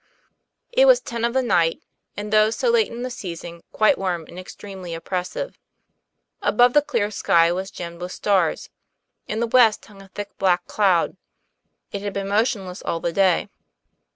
IT was ten of the night, and, though so late in the season, quite warm and extremely oppressive. Above, the clear sky was gemmed with stars. In the west hung a thick, black cloud; it had been motionless all the day.